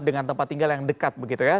dengan tempat tinggal yang dekat begitu ya